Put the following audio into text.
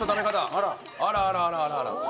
あらあらあらあら！